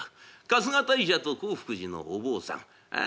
春日大社と興福寺のお坊さんああ